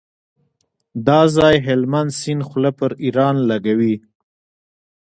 دا ځای هلمند سیند خوله پر ایران لګوي.